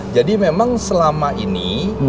jadi memang selama ini